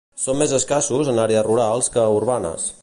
Són més escassos en àrees rurals que urbanes.